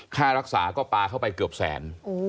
ค่ารักษาก็ปลาเข้าไปเกือบแสน